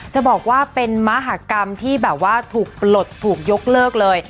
จะบอกว่าเป็นมหากรรมที่แบบว่าถูกปลดถูกยกเลิกเลย